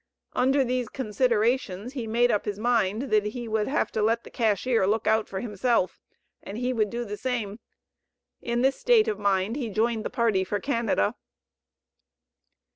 Under these considerations he made up his mind that he would have to let the cashier look out for himself, and he would do the same. In this state of mind he joined the party for Canada.